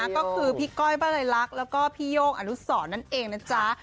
ก็คือพี่ก้อยบันไลลักษณ์แล้วก็พี่โย่งอนุสรนั่นเองนะจ๊ะ